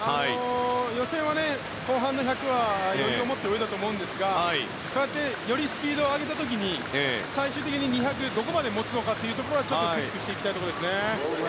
予選は後半の１００は余裕を持って泳いだと思うんですがよりスピードを上げた時最終的に２００でどこまで持つのかはチェックしていきたいところです。